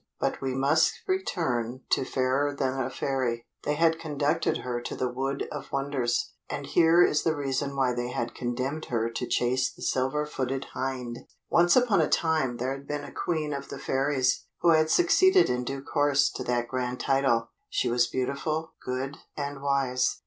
But we must return to Fairer than a Fairy. They had conducted her to the Wood of Wonders, and here is the reason why they had condemned her to chase the Silver footed Hind: Once upon a time there had been a Queen of the Fairies who had succeeded in due course to that grand title; she was beautiful, good, and wise.